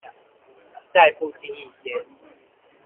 在不經意間